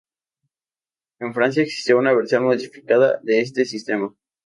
En Francia existió una versión modificada de este sistema.